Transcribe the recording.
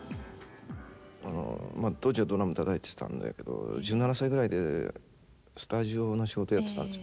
当時はドラムたたいてたんだけど１７歳ぐらいでスタジオの仕事やってたんですよ。